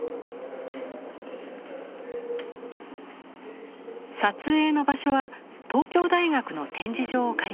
撮影の場所は東京大学の展示場を借りました。